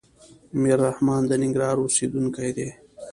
ميررحمان د ننګرهار اوسيدونکی دی.